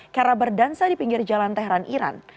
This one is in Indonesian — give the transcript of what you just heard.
karena berdansa di pinggir jalan tehran iran